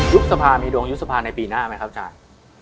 ยุบสภาพมีดวงยุบสภาพในปีหน้าไหมครับจ่าย